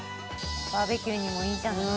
バーベキューにもいいじゃない。